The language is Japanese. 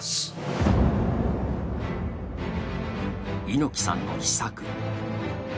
猪木さんの秘策。